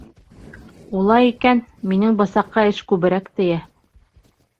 — Улай икән, минең бысаҡҡа эш күберәк тейә.